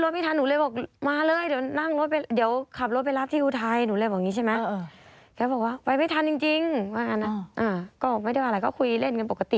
เจ้าไว้คุยเล่นเยี่ยมกันปกติ